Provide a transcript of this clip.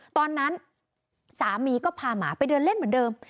ตอนนั้นสามีก็พาหมาไปเดินเล่นเหมือนเดิม